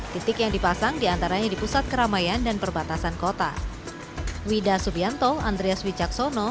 titik yang dipasang diantaranya di pusat keramaian dan perbatasan kota